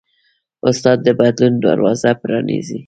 استاد د بدلون دروازه پرانیزي.